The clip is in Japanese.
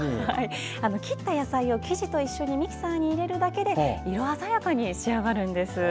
切った野菜を生地と一緒にミキサーに入れるだけで色鮮やかに仕上がるんです。